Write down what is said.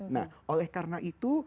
nah oleh karena itu